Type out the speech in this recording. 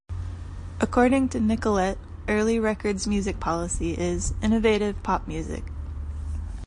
According to Nicolette, Early Records' music policy is: innovative pop music.